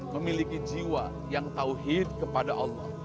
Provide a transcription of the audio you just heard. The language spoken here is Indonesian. memiliki jiwa yang tauhid kepada allah